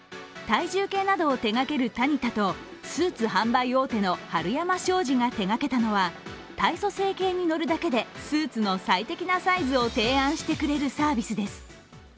体重計などを手がけるタニタと、スーツ販売大手のはるやま商事が手がけたのは、体組成計に乗るだけでスーツの最適なサイズを提案してくれるサービスです。